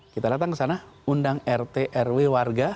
kita datang ke sana undang rt rw warga